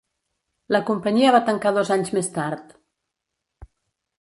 La companyia va tancar dos anys més tard.